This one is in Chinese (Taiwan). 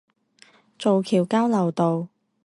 造橋交流道